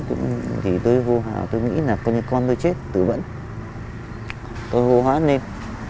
thì tôi hô hào tôi nghĩ là con tôi chết tử bẩn tôi hô hóa lên